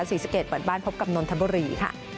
ศรีสะเกดเปิดบ้านพบกับนนทบุรีค่ะ